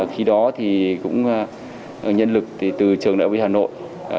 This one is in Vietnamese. khi đó thì cũng nhân lực từ trường đại học hà nội